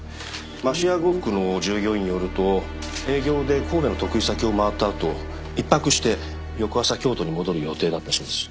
ましや呉服の従業員によると営業で神戸の得意先を回った後１泊して翌朝京都に戻る予定だったそうです。